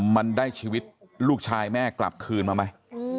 มันได้ชีวิตลูกชายแม่กลับคืนมาไหม